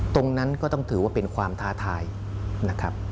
ตรงนั้นก็ต้องถือว่าเป็นความท้าทายนะครับ